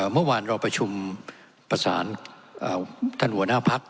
เมื่อวานเราประชุมประสานท่านหัวหน้าพัก